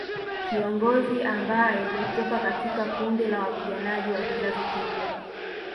Kiongozi ambaye hutoka katika kundi la wapiganaji wa kizazi kipya